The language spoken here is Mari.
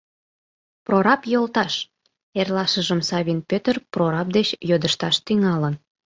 — Прораб йолташ! — эрлашыжым Савин Пӧтыр прораб деч йодышташ тӱҥалын.